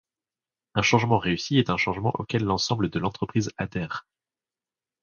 Un changement réussi est un changement auquel l'ensemble de l'entreprise adhère.